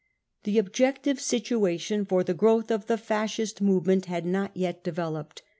The objective situation for the growth of the Fascist move ment*had not yet developed.